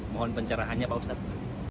mohon pencerahannya pak ustadz